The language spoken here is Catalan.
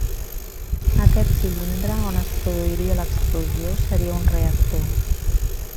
Aquest cilindre on es produiria l'explosió seria un reactor.